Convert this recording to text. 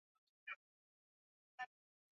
na hata lugha zao zinafanana kwa kiasi kikubwa